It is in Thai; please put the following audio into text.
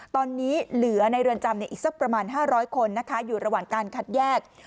ตอนนี้เหลือในเรือนจำอีกสักประมาณ๕๐๐คนนะคะอยู่ระหว่างการคัดแยก